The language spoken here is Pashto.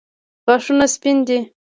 غاښونه سپین دي.